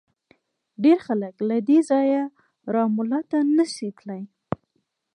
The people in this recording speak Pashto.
ډېر خلک له دې ځایه رام الله ته نه شي تللی.